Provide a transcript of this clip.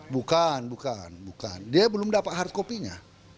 bukan bukan dia belum dapat hard kopinya